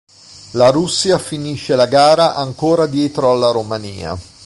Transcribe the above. La Russia finisce la gara ancora dietro alla Romania.